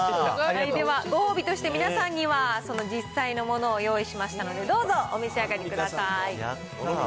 ではご褒美として皆さんには、その実際のものを用意しましたので、どうぞお召し上がりください。